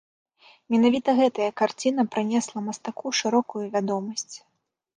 Менавіта гэтая карціна прынесла мастаку шырокую вядомасць.